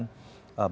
tentu ini dikarenakan